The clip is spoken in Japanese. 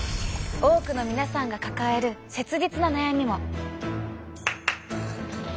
多くの皆さんが抱える切実な悩みも！